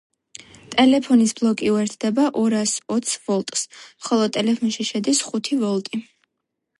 ტელეფონის ბლოკი უერთდება ორას ოც ვოლტს, ხოლო ტელეფონში შედის ხუთი ვოლტი.